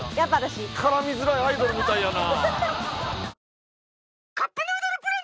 絡みづらいアイドルみたいやな！